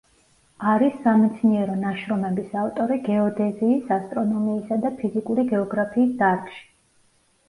არის სამეცნიერო ნაშრომების ავტორი გეოდეზიის, ასტრონომიისა და ფიზიკური გეოგრაფიის დარგში.